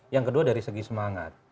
yang kedua dari segi semangat